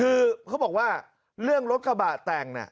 คือเขาบอกว่าเรื่องรถกระบะแต่ง